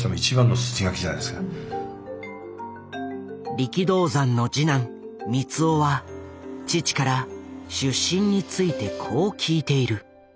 力道山の次男光雄は父から出身についてこう聞いている。